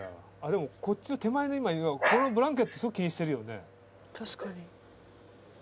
でもこっちの手前の犬はこのブランケットすごい気にしてるよね。